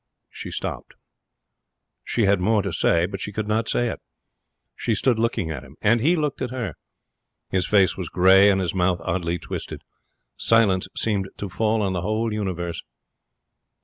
She stopped. She had more to say, but she could not say it. She stood looking at him. And he looked at her. His face was grey and his mouth oddly twisted. Silence seemed to fall on the whole universe.